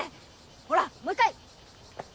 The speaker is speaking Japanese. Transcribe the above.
ほらもう１回！